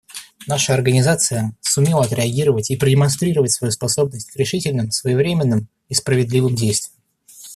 Наша Организация сумела отреагировать и продемонстрировать свою способность к решительным, своевременным и справедливым действиям.